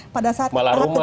malah rumah dan rokok